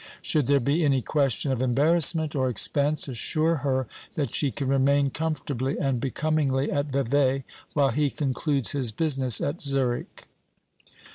Should there be any question of embarrassment or expense, assure her that she can remain comfortably and becomingly at Vevey, while he concludes his business at Zurich.